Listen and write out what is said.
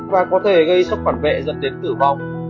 và có thể gây sốc phản vệ dẫn đến tử vong